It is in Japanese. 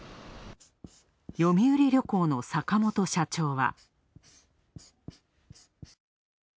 読売旅行の坂元社長は。